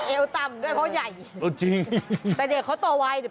เอวตำด้วยเพราะว่าใหญ่แต่เด็กเขาโตวาย